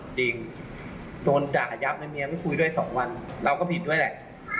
โดนด่าขยับนะเมียไม่คุยด้วย๒วันเราก็ผิดด้วยแหละ